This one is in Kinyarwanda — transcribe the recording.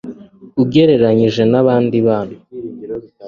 ugereranyije na bandi bana